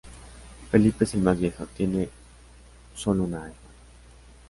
Felipe es el más viejo, tiene sólo una hermana.